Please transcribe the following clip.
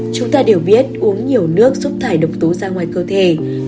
chúng ta đều biết uống nhiều nước giúp thải độc tố ra ngoài cơ thể